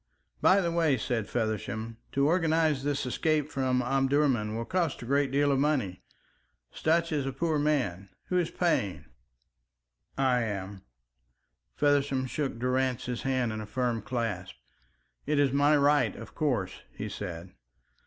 "By the way," said Feversham, "to organise this escape from Omdurman will cost a great deal of money. Sutch is a poor man. Who is paying?" "I am." Feversham shook Durrance's hand in a firm clasp. "It is my right, of course," he said.